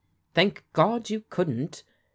" Thank God, you couldn't !